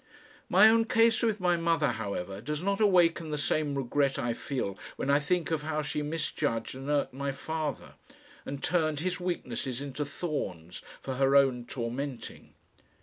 My own case with my mother, however, does not awaken the same regret I feel when I think of how she misjudged and irked my father, and turned his weaknesses into thorns for her own tormenting.